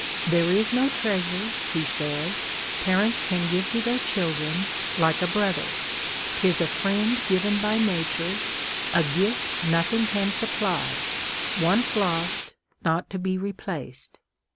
" There is no treasure," he says, " parents can give to their children, like a brother ; 'tis a friend given by nature, a gift nothing can supply ; once lost, not to be replaced.